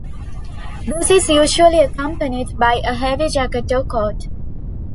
This is usually accompanied by a heavy jacket or coat.